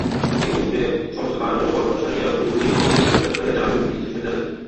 এইরূপে সমস্ত কাজকর্ম সারিয়া ভূপতির উচ্ছিষ্ট প্রসাদ খাইয়া চারুর দিন শেষ হইয়া যাইত।